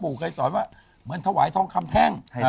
เคยสอนว่าเหมือนถวายทองคำแท่ง